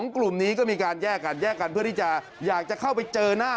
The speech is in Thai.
กลุ่มนี้ก็มีการแยกกันแยกกันเพื่อที่จะอยากจะเข้าไปเจอหน้า